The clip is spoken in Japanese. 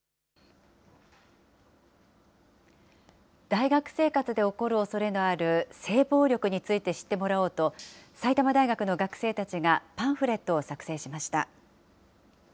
大学生活で起こるおそれのある性暴力について知ってもらおうと、埼玉大学の学生たちがパンフレットを作成しました。